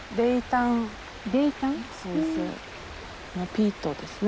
ピートですね。